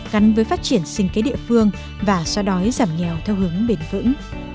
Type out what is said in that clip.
gắn với phát triển sinh kế địa phương và xoa đói giảm nghèo theo hướng bền vững